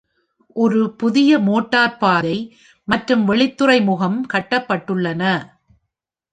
ஒரு புதிய மோட்டார்ப்பாதை மற்றும் வெளித்துறைமுகம் கட்டப்பட்டுள்ளன.